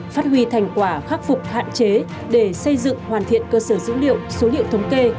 phát huy thành quả khắc phục hạn chế để xây dựng hoàn thiện cơ sở dữ liệu số liệu thống kê